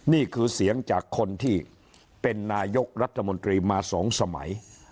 นี่คือเสียงจากคนที่เป็นนายกรัฐมนตรีมา๒สมัย